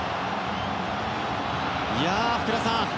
いやあ、福田さん。